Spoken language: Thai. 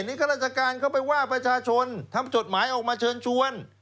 นี่ข้าราชการเข้าไปว่าประชาชนทำจดหมายออกมาเชิญชวน